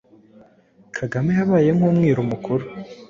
Kagame yabaye nk’umwiru mukuru.